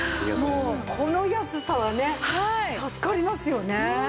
もうこの安さはね助かりますよね。